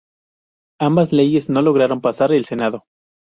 Ambas leyes no lograron pasar el senado.